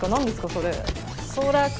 それ。